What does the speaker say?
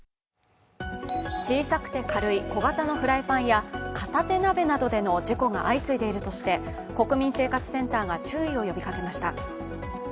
小さくて軽い小型のフライパンや片手鍋などでの事故が相次いでいるとして国民生活センターが注意を呼びかけました。